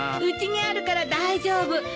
うちにあるから大丈夫。